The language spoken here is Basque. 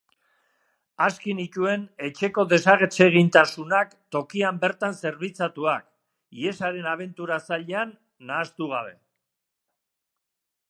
Aski nituen etxeko desatsegintasunak tokian bertan zerbitzatuak, ihesaren abentura zailean nahastu gabe.